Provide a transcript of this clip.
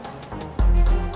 aku mau ke rumah